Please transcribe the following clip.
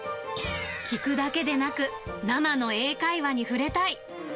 聞くだけでなく、生の英会話に触れたい。